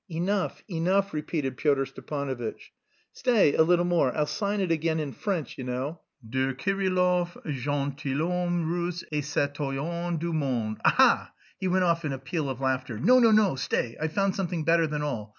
"Enough, enough," repeated Pyotr Stepanovitch. "Stay, a little more. I'll sign it again in French, you know. 'De Kirillov, gentilhomme russe et citoyen du monde.' Ha ha!" He went off in a peal of laughter. "No, no, no; stay. I've found something better than all.